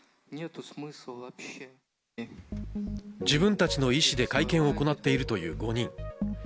自分たちの意思で会見を行っているという５人。